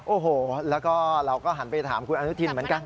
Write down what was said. โอ้โหแล้วก็เราก็หันไปถามคุณอนุทินเหมือนกัน